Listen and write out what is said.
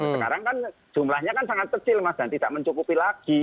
sekarang kan jumlahnya kan sangat kecil mas dan tidak mencukupi lagi